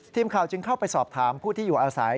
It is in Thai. ทีมข่าวจึงเข้าไปสอบถามผู้ที่อยู่อาศัย